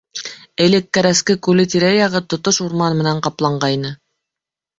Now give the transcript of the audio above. Элек Кәрәске күле тирә-яғы тотош урман менән ҡапланғайны.